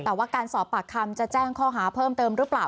แต่ว่าการสอบปากคำจะแจ้งข้อหาเพิ่มเติมหรือเปล่า